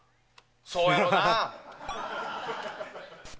そうやろうな。